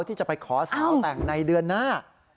ที่จะไปขอสาวแต่งในเดือนหน้า